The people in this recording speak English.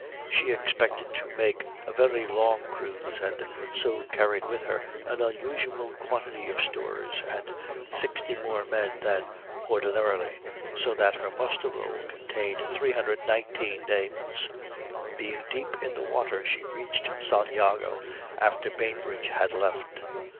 She expected to make a very long cruise and so carried with her an unusual quantity of stores and sixty more men than ordinarily, so that her muster roll contained 319 names. Being deep in the water she reached San Jago after Bainbridge had left.